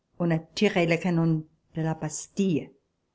On a tire le canon de la Bastille.